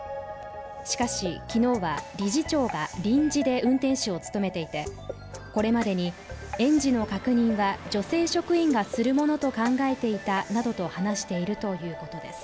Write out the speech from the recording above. しかし、昨日は理事長が臨時で運転手を務めていて、これまでに園児の確認は女性職員がするものと考えていたなどと話しているということです。